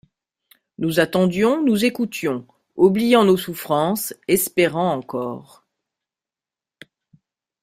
Nous attendions, nous écoutions, oubliant nos souffrances, espérant encore.